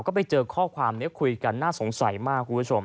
ก็ไปเจอข้อความนี้คุยกันน่าสงสัยมากคุณผู้ชม